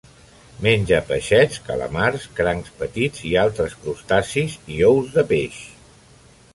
Menja peixets, calamars, crancs petits i altres crustacis, i ous de peix.